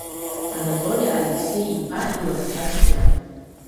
Анатоли Алексеи-иԥа илакҭа цәгьан.